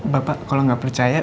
bapak kalo gak percaya